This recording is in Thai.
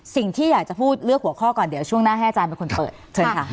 สิ่งที่อยากจะพูดเลือกหัวข้อก่อนเดี๋ยวช่วงหน้าให้อาจารย์เป็นคนเปิดเชิญค่ะ